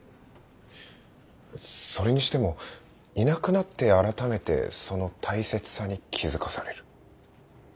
それにしてもいなくなって改めてその大切さに気付かされる。